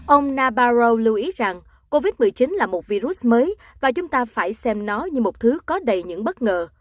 ông nabarow lưu ý rằng covid một mươi chín là một virus mới và chúng ta phải xem nó như một thứ có đầy những bất ngờ